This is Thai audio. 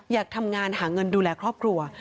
อยากทำงานหาเงินดูแลครอบครัว